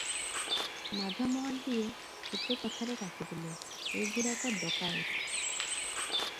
ମାଧ ମହାନ୍ତିଏ ଗୋଟାଏ କଥାରେ କାଟିଦେଲେ -ଏ ଗୁଡ଼ାକ ଡକାଏତ ।